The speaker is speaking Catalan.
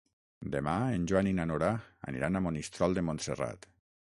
Demà en Joan i na Nora aniran a Monistrol de Montserrat.